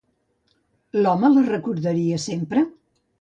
L'home la recordaria sempre?